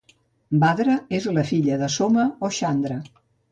Bhadra és la filla de Soma o Chandra.